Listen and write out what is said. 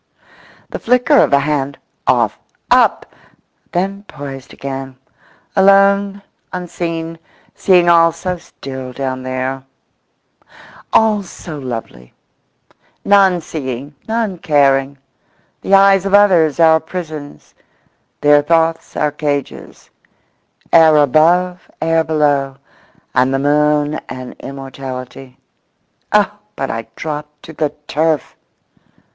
The flicker of a hand—off, up! then poised again. Alone, unseen; seeing all so still down there, all so lovely. None seeing, none caring. The eyes of others our prisons; their thoughts our cages. Air above, air below. And the moon and immortality.… Oh, but I drop to the turf!